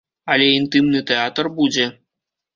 Але інтымны тэатр будзе.